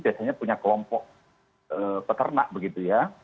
biasanya punya kelompok peternak begitu ya